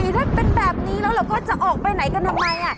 ถ้าเป็นแบบนี้แล้วเราก็จะออกไปไหนกันทำไม